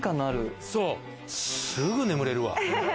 すぐ眠れるわ。